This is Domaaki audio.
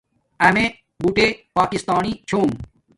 امیے بوٹے پاکستانی چھوم